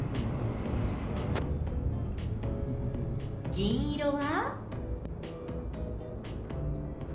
銀色は？